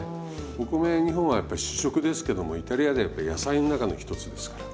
お米日本はやっぱ主食ですけどもイタリアではやっぱり野菜の中の一つですから。